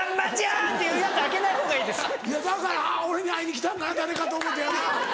だから「俺に会いに来たんかな誰か」と思ってやな。